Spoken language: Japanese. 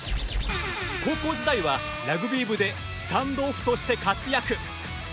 高校時代はラグビー部でスタンドオフとして活躍。